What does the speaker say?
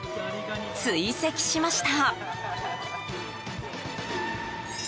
追跡しました。